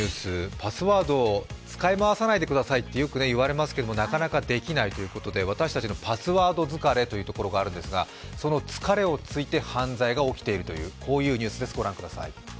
パスワードを使い回さないでくださいってよく言われますけれどもなかなかできないということで私たちのパスワード疲れというところがあるんですが疲れをついて犯罪が起きているというニュースです。